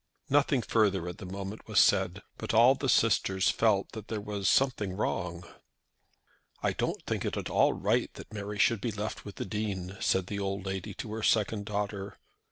Nothing further at the moment was said, but all the sisters felt that there was something wrong. "I don't think it at all right that Mary should be left with the Dean," said the old lady to her second daughter.